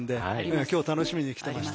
今日楽しみに来てました。